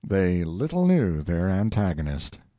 They little knew their antagonist.